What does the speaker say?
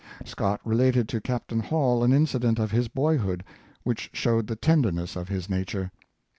Scott related to Captain Hall an incident of his boyhood which showed the tender ness of his nature.